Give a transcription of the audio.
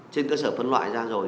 trên cơ sở phân loại ra rồi